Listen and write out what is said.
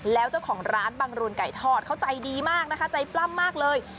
แล้วเจ้าของร้านบังรูนไก่ทอดเขาใจดีมากนะคะใจปล้ำมากเลย